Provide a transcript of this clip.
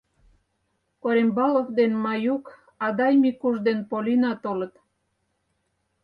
Корембалов ден Маюк, Адай Микуш ден Полина толыт.